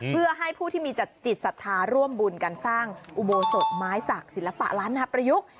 เพื่อให้ผู้ที่มีจิตศรัทธาร่วมบุญกันสร้างอุโบสถไม้สักศิลปะล้านนาประยุกต์